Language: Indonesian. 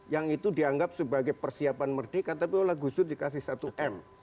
yang itu dianggap sebagai persiapan merdeka tapi oleh gus dur dikasih satu m